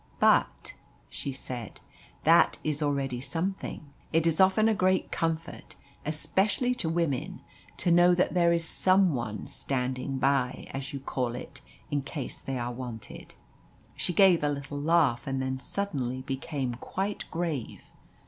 "But," she said, "that is already something. It is often a great comfort, especially to women, to know that there is some one 'standing by,' as you call it, in case they are wanted." She gave a little laugh, and then suddenly became quite grave.